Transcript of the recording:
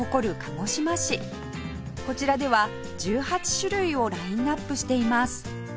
こちらでは１８種類をラインアップしています